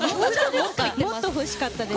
もっと欲しかったですね。